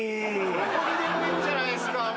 どこにでもいるじゃないすか。